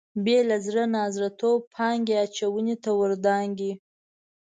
بې له زړه نازړه توبه پانګې اچونې ته ور دانګي.